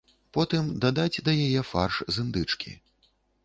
Потым дадаць да яе фарш з індычкі.